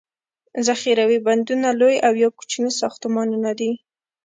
ذخیروي بندونه لوي او یا کوچني ساختمانونه دي.